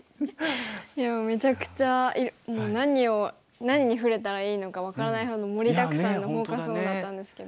いやめちゃくちゃもう何を何に触れたらいいのか分からないほど盛りだくさんのフォーカス・オンだったんですけど。